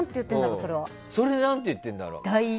それなんて言ってるんだろう。